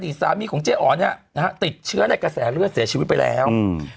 อดีตสามีของเจ๊อ๋อติดเชื้อในกระแสเลือนเสียชีวิตไปแล้ว